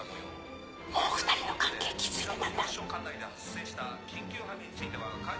もう２人の関係気付いてたんだ。